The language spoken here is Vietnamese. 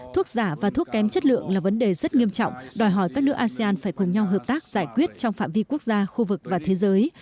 thuốc giả và thuốc kém chất lượng là vấn đề rất nghiêm trọng đòi hỏi các nước asean phải cùng nhau hợp tác giải quyết trong phạm vi quốc gia khu vực và thế giới